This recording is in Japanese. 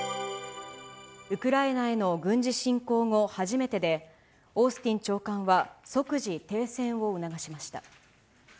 ウクライナへの軍事侵攻後初めてで、オースティン長官は即時停戦を促しました。